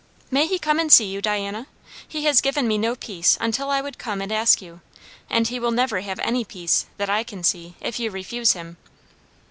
May he come and see you, Diana? He has given me no peace until I would come and ask you, and he will never have any peace, that I can see, if you refuse him.